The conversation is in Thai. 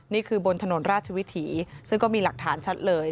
บนถนนราชวิถีซึ่งก็มีหลักฐานชัดเลย